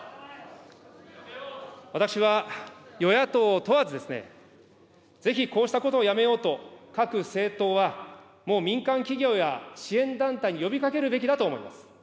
私は与野党を問わずですね、ぜひこうしたことをやめようと、各政党はもう民間企業や支援団体に呼びかけるべきだと思います。